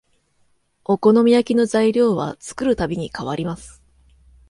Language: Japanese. お好み焼きの材料は作るたびに変わります